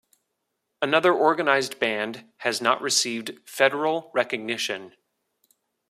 Another organized band has not received federal recognition.